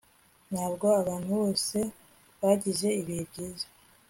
Ntabwo abantu bose bagize ibihe byiza